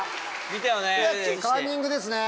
見たよね。